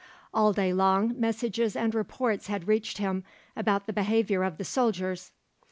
All day long messages and reports had reached him about the behaviour of the soldiers.